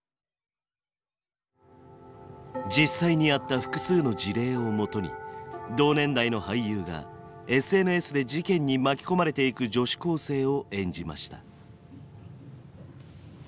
実際にあった複数の事例をもとに同年代の俳優がＳＮＳで事件に巻き込まれていく女子高生を演じました。